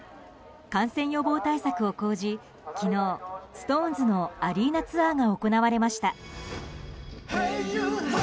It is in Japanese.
感染予防対策を講じ昨日、ＳｉｘＴＯＮＥＳのアリーナツアーが行われました。